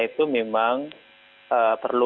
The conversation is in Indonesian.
itu memang perlu